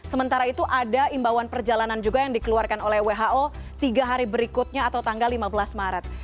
sementara itu ada imbauan perjalanan juga yang dikeluarkan oleh who tiga hari berikutnya atau tanggal lima belas maret